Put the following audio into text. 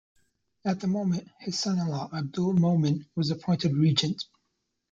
At the moment, his son-in-law Abdul Momin was appointed regent.